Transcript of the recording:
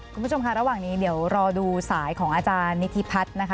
คุณผู้ชมค่ะระหว่างนี้เดี๋ยวรอดูสายของอาจารย์นิธิพัฒน์นะคะ